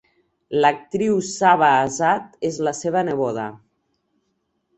L'actriu Saba Azad és la seva neboda.